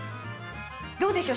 どうでしょう？